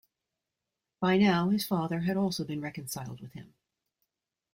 By now his father had also been reconciled with him.